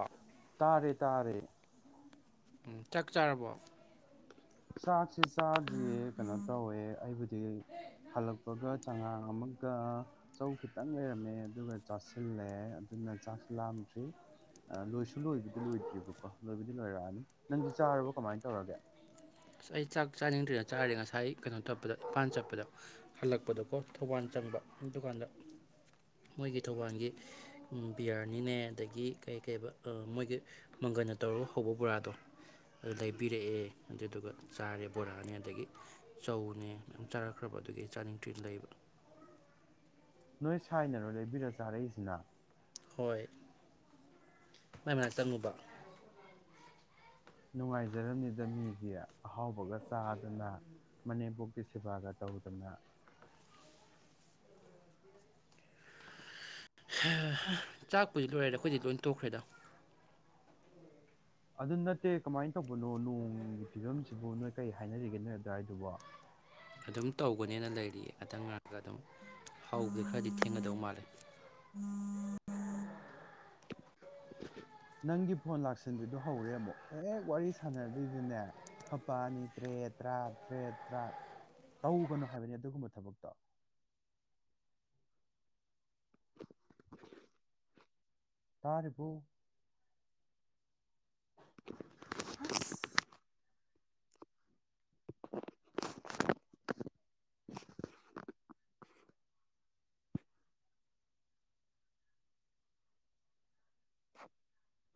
ꯑ ꯇꯥꯔꯦ ꯇꯥꯔꯦ ꯎꯝ ꯆꯥꯛ ꯆꯥꯔꯕꯣ ꯆꯥꯛꯁꯤ ꯆꯥꯗ꯭ꯔꯤ ꯀꯩꯅꯣ ꯇꯧꯋꯦ ꯑꯩꯕꯨꯗꯤ ꯍꯜꯂꯛꯄꯒ ꯆꯉꯥꯡ ꯑꯃꯒ ꯆꯧ ꯈꯤꯇꯪ ꯂꯩꯔꯝꯃꯦ ꯑꯗꯨꯒ ꯆꯥꯁꯤꯜꯂꯦ ꯑꯗꯨꯅ ꯆꯥꯛꯁꯨ ꯂꯥꯝꯗ꯭ꯔꯤ ꯂꯣꯏꯁꯨ ꯂꯣꯏꯕꯗꯤ ꯂꯣꯏꯗ꯭ꯔꯤꯕꯀꯣ ꯂꯣꯏꯕꯗꯤ ꯂꯣꯏꯔꯛꯑꯅꯤ ꯅꯪꯗꯤ ꯆꯥꯔꯕꯣ ꯀꯃꯥꯏꯅ ꯇꯧꯔꯒꯦ ꯑꯁ ꯑꯩ ꯆꯥꯛ ꯆꯥꯅꯤꯡꯗ꯭ꯔꯤꯅ ꯆꯥꯔꯗꯤꯦ ꯉꯁꯥꯏ ꯀꯩꯅꯣ ꯇꯠꯄꯗ ꯏꯝꯐꯥꯟꯜ ꯆꯠꯄꯗ ꯍꯜꯂꯛꯄꯗꯀꯣ ꯊꯧꯕꯥꯜ ꯆꯪꯕ ꯑꯗꯨꯀꯥꯟꯗ ꯃꯣꯏꯒꯤ ꯊꯧꯕꯥꯜꯒꯤ ꯕꯤꯌꯥꯅꯤꯅꯦ ꯑꯗꯒꯤ ꯀꯩ ꯀ ꯃꯣꯏꯒꯤ ꯃꯪꯒꯜꯅ ꯇꯧꯔꯒ ꯍꯧꯕ ꯕꯣꯔꯥꯗꯣ ꯑꯗꯨ ꯂꯩꯕꯤꯔꯛꯑꯦ ꯑꯗꯨꯗꯨꯒ ꯆꯥꯔꯦ ꯕꯣꯔꯥꯅꯦ ꯑꯗꯒꯤ ꯆꯧꯅꯦ ꯃꯌꯥꯝ ꯆꯥꯔꯛꯈ꯭ꯔꯕ ꯑꯗꯨꯒꯤ ꯆꯥꯅꯤꯡꯊꯨꯅ ꯂꯩꯕ ꯅꯣꯏ ꯁꯥꯏꯅꯔꯣ ꯂꯩꯕꯤꯔ ꯆꯥꯔꯛꯏꯁꯤꯅ ꯍꯣꯏ ꯃꯥꯏ ꯃꯅꯥꯛ ꯆꯪꯉꯨꯕ ꯅꯨꯡꯉꯥꯏꯖꯔꯝꯅꯤꯗ ꯃꯤꯗꯤ ꯑꯍꯥꯎꯕꯒ ꯆꯥꯗꯅ ꯃꯅꯦꯝꯕꯣꯛꯀꯤ ꯁꯦꯕꯥꯒ ꯇꯧꯗꯅ ꯆꯥꯛꯄꯨꯗꯤ ꯂꯣꯏꯔꯗ ꯑꯩꯈꯣꯏꯗꯤ ꯂꯣꯏ ꯇꯣꯛꯈ꯭ꯔꯦꯗ ꯑꯗꯨ ꯅꯠꯇꯦ ꯀꯃꯥꯏꯅ ꯇꯧꯕꯅꯣ ꯅꯣꯡꯒꯤ ꯐꯤꯕꯝꯁꯤꯕꯨ ꯅꯣꯏ ꯀꯩ ꯍꯥꯏꯅꯔꯤꯒꯦ ꯅꯣꯏ ꯑꯗꯨꯋꯥꯏꯗꯨꯕꯣ ꯑꯗꯨꯝ ꯇꯧꯒꯅꯦꯅ ꯂꯩꯔꯤ ꯑꯇꯪ ꯉꯔꯒ ꯑꯗꯨꯝ ꯍꯧꯕꯗꯤ ꯈꯔꯗꯤ ꯊꯦꯡꯒꯗꯧ ꯃꯥꯜꯂꯦ ꯎꯝ ꯅꯪꯒꯤ ꯐꯣꯟ ꯂꯥꯛꯁꯟꯕꯤꯗꯣ ꯍꯧꯔꯦ ꯑꯃꯨꯛ ꯍꯦꯛ ꯋꯥꯔꯤ ꯁꯥꯟꯅꯔꯗꯣꯏꯗꯨꯅꯦ ꯈꯄꯛꯑꯅꯤ ꯇꯔꯦꯠ ꯇꯔꯥ ꯇꯔꯦꯠ ꯇꯔꯥ ꯇꯧꯒꯅꯨ ꯍꯥꯏꯕꯅꯤ ꯑꯗꯨꯒꯨꯝꯕ ꯊꯕꯛꯇꯣ ꯇꯥꯔꯤꯕꯔꯤꯕ [inaudible] [inaudible]